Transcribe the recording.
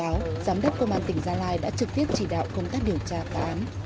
báo giám đốc công an tỉnh gia lai đã trực tiếp chỉ đạo công tác điều tra và án